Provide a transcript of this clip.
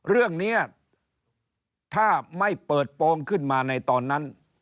เรื่องนี้ถ้าไม่เปิดโปรงขึ้นมาในตอนนั้น